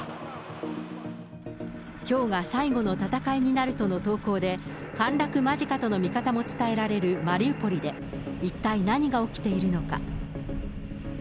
きょうが最後の戦いになるとの投稿で、陥落間近との見方も伝えられるマリウポリで、一体何が起きているのか。